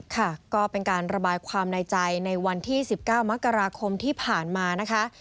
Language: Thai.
ค่ะก็เป็นการระบายความในใจในวันที่๑๙มกราคมที่ผ่านมานะคะ